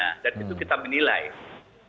bagaimana dia menyikap dengan pendapatnya